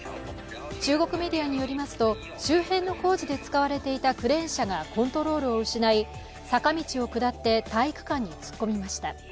中国メディアによりますと周辺の工事で使われていたクレーン車がコントロールを失い坂道を下って体育館に突っ込みました。